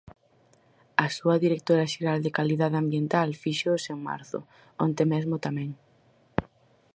A súa directora xeral de Calidade Ambiental fíxoos en marzo; onte mesmo tamén.